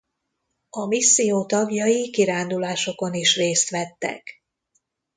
A misszió tagjai kirándulásokon is részt vettek.